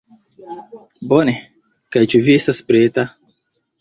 Bone. Kaj ĉu vi estas preta?